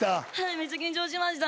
めっちゃ緊張しました。